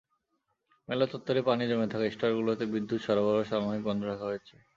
মেলা চত্বরে পানি জমে থাকায় স্টলগুলোতে বিদ্যুৎ সরবরাহ সাময়িক বন্ধ রাখা হয়েছে।